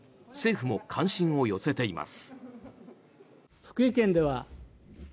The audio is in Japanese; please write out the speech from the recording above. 政府も関心を寄せています。